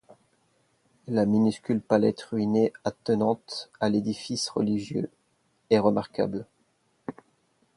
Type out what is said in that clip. La minuscule placette ruinée attenante à l'édifice religieux, est remarquable.